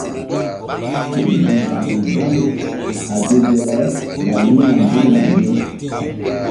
Ɓil mbih mbam ri gbam a ge ge le laɓ yi̧hna mbuŋna ye.